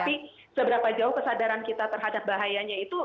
tapi seberapa jauh kesadaran kita terhadap bahayanya itu